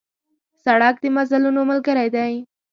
سړک د مزلونو ملګری دی.